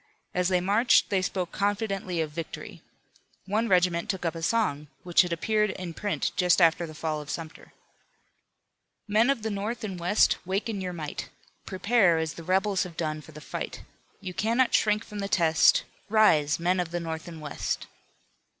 As they marched they spoke confidently of victory. One regiment took up a song which had appeared in print just after the fall of Sumter: "Men of the North and West, Wake in your might. Prepare as the rebels have done For the fight. You cannot shrink from the test; Rise! Men of the North and West."